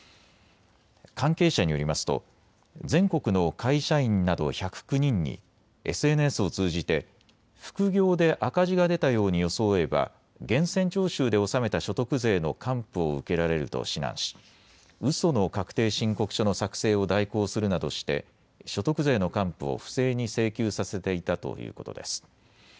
関係者によりますと全国の会社員など１０９人にＳＮＳを通じて副業で赤字が出たように装えば源泉徴収で納めた所得税の還付を受けられると指南しうその確定申告書の作成を代行するなどして所得税の還付を不正に請求させていたということです。